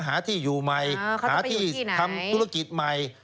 หาที่อยู่ใหม่หาที่ทำธุรกิจใหม่